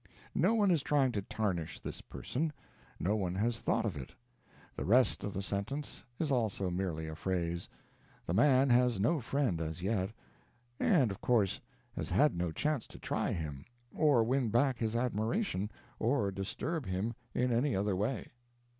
No one is trying to tarnish this person; no one has thought of it. The rest of the sentence is also merely a phrase; the man has no friend as yet, and of course has had no chance to try him, or win back his admiration, or disturb him in any other way.